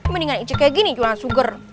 mendingan icu kayak gini jualan sugar